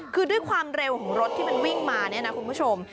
คือด้วยความเร็วของรถที่มันวิ่งมาเนี่ยนะคุณผู้ชม